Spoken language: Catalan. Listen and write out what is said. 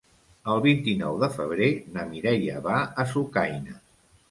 El vint-i-nou de febrer na Mireia va a Sucaina.